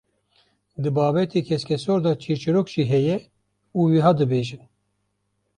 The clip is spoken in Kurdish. Di babetê keskesor de çîrçîrok jî heye û wiha dibêjin.